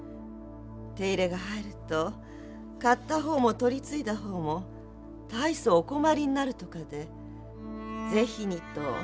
手入れが入ると買った方も取り次いだ方も大層お困りになるとかで是非にと引き取りを頼まれまして。